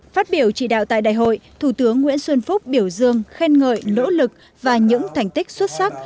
phát biểu chỉ đạo tại đại hội thủ tướng nguyễn xuân phúc biểu dương khen ngợi nỗ lực và những thành tích xuất sắc